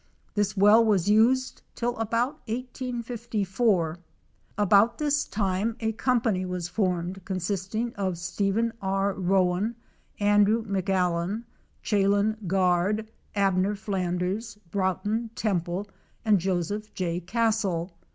This well was used till about 1854. About this time a company was formed consisting of Stephen R. Rowan, Andrew Mc AUan, Chalon Guard, Abner Flanders, Broughton Temple and Jo seph J. Castle.